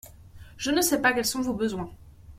Je ne sais pas quels sont vos besoins